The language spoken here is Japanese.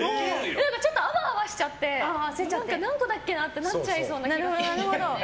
ちょっとあわあわしちゃって何個だっけな？ってなっちゃうかなって。